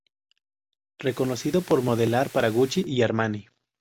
Reconocido por modelar para Gucci y Armani.